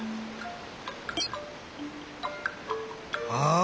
ああ！